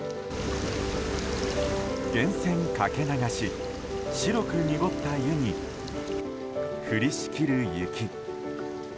源泉かけ流し白く濁った湯に降りしきる雪。